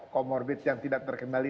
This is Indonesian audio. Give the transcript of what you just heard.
comorbid yang tidak terkendali